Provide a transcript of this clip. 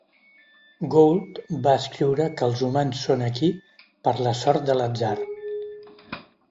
Gould va escriure que els humans són aquí per la sort de l'atzar.